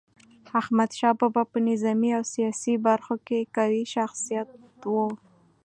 احمد شاه بابا په نظامي او سیاسي برخو کي قوي شخصیت و.